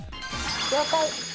「了解！」